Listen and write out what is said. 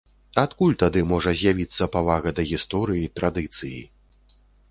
Адкуль тады можа з'явіцца павага да гісторыі, традыцыі?